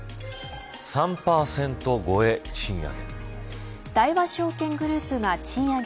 ３％超え、賃上げ。